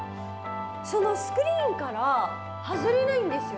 そのスクリーンから外れないんですよ